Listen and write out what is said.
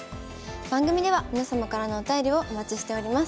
番組では皆様からのお便りをお待ちしております。